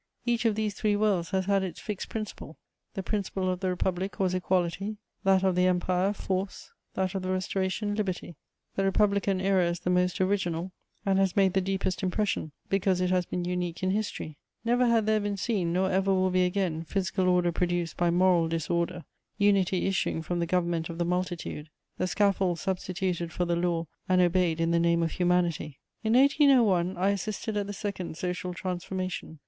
Each of these three worlds has had its fixed principle: the principle of the Republic was equality, that of the Empire force, that of the Restoration liberty. The Republican era is the most original, and has made the deepest impression because it has been unique in history: never had there been seen, nor ever will be again, physical order produced by moral disorder, unity issuing from the government of the multitude, the scaffold substituted for the law and obeyed in the name of humanity. In 1801, I assisted at the second social transformation.